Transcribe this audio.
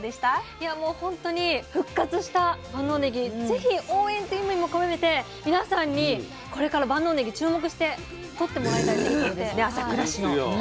いやもう本当に復活した万能ねぎ是非応援っていう意味も込めて皆さんにこれから万能ねぎ注目してとってもらいたいですので。